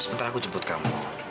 sebentar aku jemput kamu